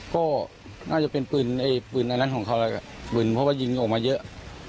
ก็น่าจะเป็นปืนไอ้ปืนอันนั้นของเขาแล้วก็ปืนเพราะว่ายิงออกมาเยอะ